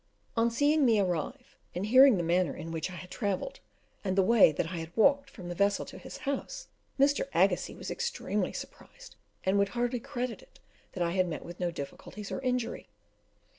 On seeing me arrive, and hearing the manner in which I had travelled, and the way that I had walked from the vessel to his house, Mr. Agassiz was extremely surprised, and would hardly credit that I had met with no difficulties or injury.